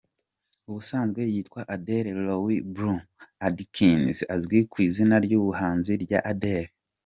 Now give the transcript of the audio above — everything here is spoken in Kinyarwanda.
Ubusanzwe yitwa Adele Laurie Blue Adkins, azwi ku izina ry’ubuhanzi rya Adele.